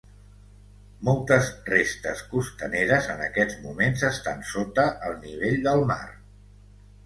Moltes restes costaneres en aquests moments estan sota el nivell del mar.